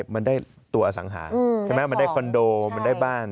มันได้ตัวอสังหาใช่ไหมมันได้คอนโดมันได้บ้าน